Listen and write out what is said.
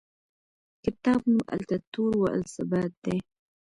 کتاب نوم التطور و الثبات دی.